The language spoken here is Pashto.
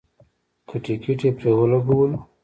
که ټکټ یې پرې ولګولو.